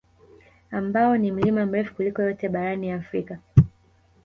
Ambao ni mlima mrefu kuliko yote barani Afrika